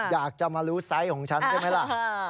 อยากจะมารู้ไซส์ของฉันใช่ไหมล่ะ